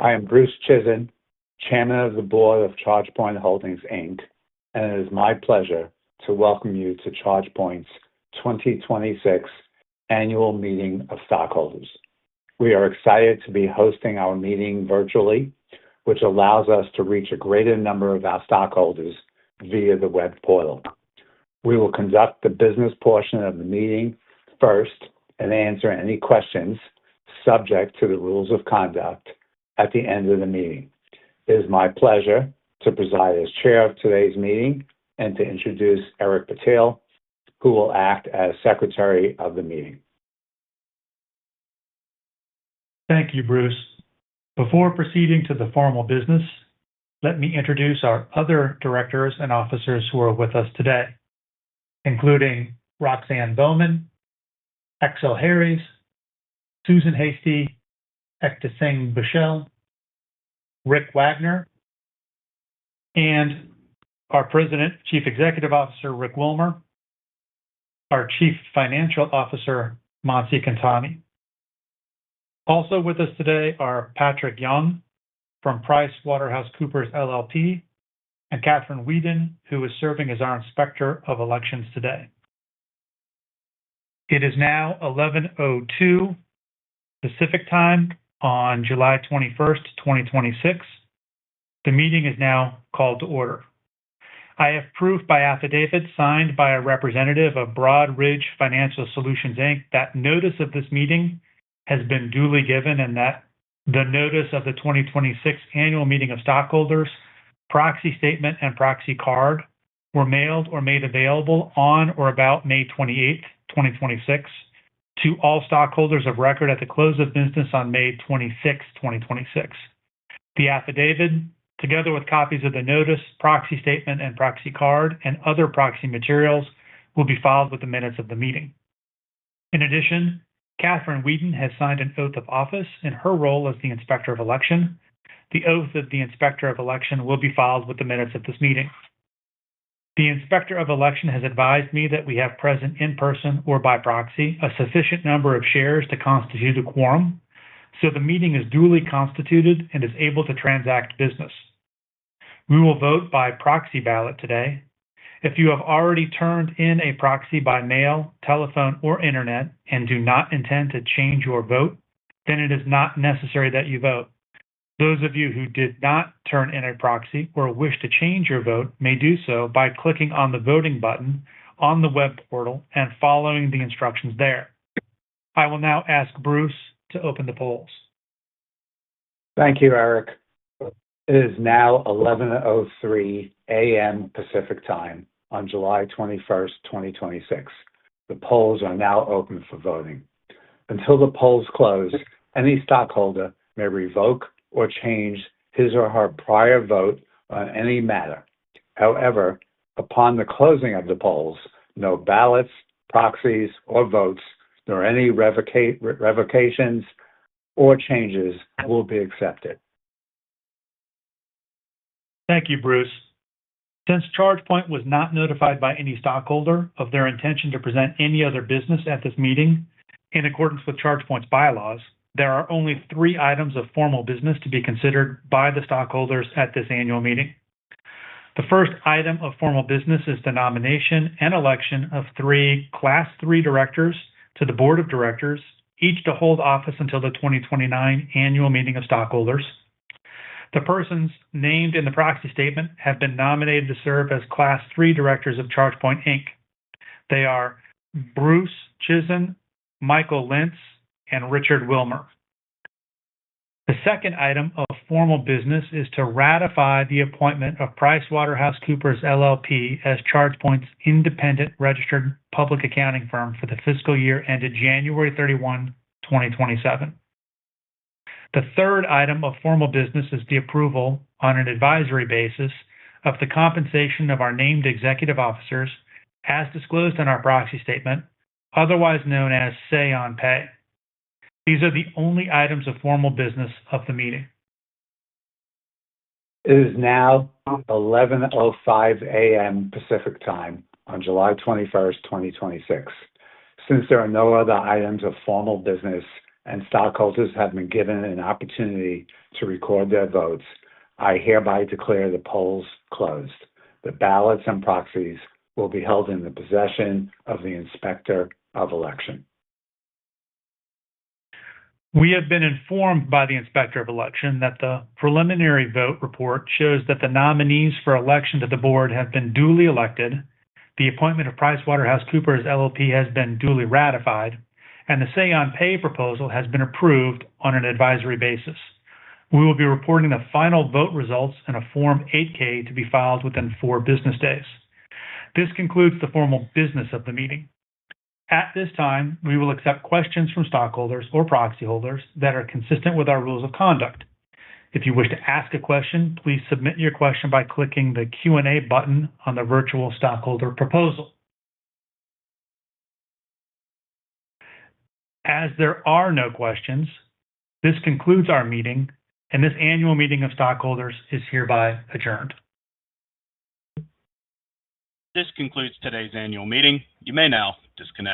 I am Bruce Chizen, Chairman of the Board of ChargePoint Holdings, Inc., and it is my pleasure to welcome you to ChargePoint's 2026 Annual Meeting of Stockholders. We are excited to be hosting our meeting virtually, which allows us to reach a greater number of our stockholders via the web portal. We will conduct the business portion of the meeting first and answer any questions subject to the rules of conduct at the end of the meeting. It is my pleasure to preside as Chair of today's meeting and to introduce Eric Patel, who will act as Secretary of the meeting. Thank you, Bruce. Before proceeding to the formal business, let me introduce our other Directors and Officers who are with us today, including Roxanne Bowman, Axel Harries, Susan Heystee, Ekta Singh-Bushell, Rick Wagoner, and our President Chief Executive Officer, Rick Wilmer, our Chief Financial Officer, Mansi Khetani. Also with us today are Patrick Young from PricewaterhouseCoopers LLP, and Kathryn Whedon, who is serving as our Inspector of Elections today. It is now 11:02 A.M. Pacific Time on July 21st, 2026. The meeting is now called to order. I have proof by affidavit, signed by a representative of Broadridge Financial Solutions, Inc., that notice of this meeting has been duly given and that the notice of the 2026 Annual Meeting of Stockholders, proxy statement, and proxy card were mailed or made available on or about May 28th, 2026, to all stockholders of record at the close of business on May 26th, 2026. The affidavit, together with copies of the notice, proxy statement, and proxy card, and other proxy materials, will be filed with the minutes of the meeting. In addition, Kathryn Whedon has signed an oath of office in her role as the Inspector of Election. The oath of the Inspector of Election will be filed with the minutes of this meeting. The Inspector of Election has advised me that we have present in person or by proxy a sufficient number of shares to constitute a quorum, the meeting is duly constituted and is able to transact business. We will vote by proxy ballot today. If you have already turned in a proxy by mail, telephone, or internet and do not intend to change your vote, it is not necessary that you vote. Those of you who did not turn in a proxy or wish to change your vote may do so by clicking on the voting button on the web portal and following the instructions there. I will now ask Bruce to open the polls. Thank you, Eric. It is now 11:03 A.M. Pacific Time on July 21st, 2026. The polls are now open for voting. Until the polls close, any stockholder may revoke or change his or her prior vote on any matter. However, upon the closing of the polls, no ballots, proxies, or votes, nor any revocations or changes will be accepted. Thank you, Bruce. Since ChargePoint was not notified by any stockholder of their intention to present any other business at this meeting, in accordance with ChargePoint's bylaws, there are only three items of formal business to be considered by the stockholders at this annual meeting. The first item of formal business is the nomination and election of 3 Class III directors to the Board of Directors, each to hold office until the 2029 Annual Meeting of Stockholders. The persons named in the proxy statement have been nominated to serve as Class III directors of ChargePoint, Inc. They are Bruce Chizen, Michael Linse, and Rick Wilmer. The second item of formal business is to ratify the appointment of PricewaterhouseCoopers LLP, as ChargePoint's independent registered public accounting firm for the fiscal year ended January 31, 2027. The third item of formal business is the approval on an advisory basis of the compensation of our named executive officers as disclosed in our proxy statement, otherwise known as Say on Pay. These are the only items of formal business of the meeting. It is now 11:05 A.M. Pacific Time on July 21st, 2026. Since there are no other items of formal business and stockholders have been given an opportunity to record their votes, I hereby declare the polls closed. The ballots and proxies will be held in the possession of the Inspector of Election. We have been informed by the Inspector of Election that the preliminary vote report shows that the nominees for election to the board have been duly elected, the appointment of PricewaterhouseCoopers LLP has been duly ratified, and the Say on Pay proposal has been approved on an advisory basis. We will be reporting the final vote results in a Form 8-K to be filed within four business days. This concludes the formal business of the meeting. At this time, we will accept questions from stockholders or proxy holders that are consistent with our rules of conduct. If you wish to ask a question, please submit your question by clicking the Q&A button on the virtual stockholder proposal. As there are no questions, this concludes our meeting, and this Annual Meeting of Stockholders is hereby adjourned. This concludes today's annual meeting. You may now disconnect.